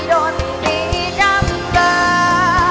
โดนมีดำเบอร์